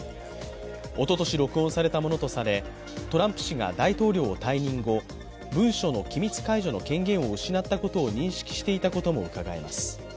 おととし録音されたものとされ、トランプ氏が大統領を退任後、文書の機密解除の権限を失ったことを認識していたこともうかがえます。